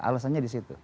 alasannya di situ